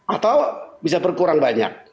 atau bisa berkurang banyak